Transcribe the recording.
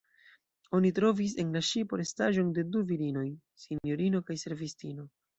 Oni trovis en la ŝipo restaĵon de du virinoj: sinjorino kaj servistino.